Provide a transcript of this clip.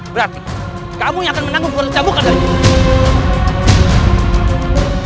berarti kamu yang akan menanggung dua cambukan dariku